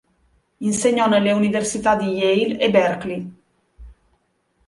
Insegnò nelle università di Yale e Berkeley.